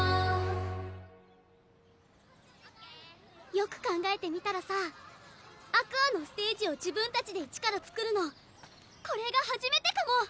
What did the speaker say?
よく考えてみたらさＡｑｏｕｒｓのステージを自分たちで一からつくるのこれが初めてかも！